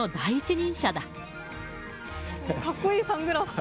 かっこいいサングラスと。